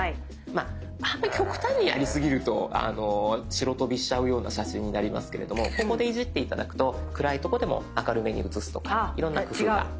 まああんまり極端にやりすぎると白飛びしちゃうような写真になりますけれどもここでいじって頂くと暗いとこでも明るめに写すとかいろんな工夫が。